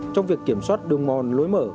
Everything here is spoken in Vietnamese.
trong việc kiểm soát đường mòn lối mở